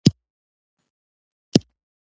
دغه جنګ یواځې د اوکراین د نیولو لپاره نه دی.